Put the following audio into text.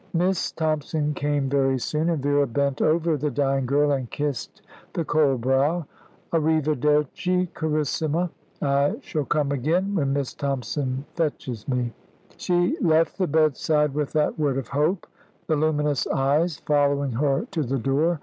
Miss Thompson came very soon, and Vera bent over the dying girl and kissed the cold brow. "A riverderci, Carissima; I shall come again when Miss Thompson fetches me." She left the bedside with that word of hope, the luminous eyes following her to the door.